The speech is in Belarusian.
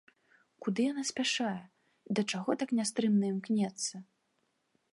Куды яна спяшае, да чаго так нястрымна імкнецца?